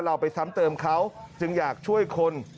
เราไปซ้ำเติมเขาจึงอยากช่วยคน